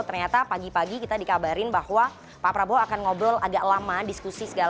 ternyata pagi pagi kita dikabarin bahwa pak prabowo akan ngobrol agak lama diskusi segala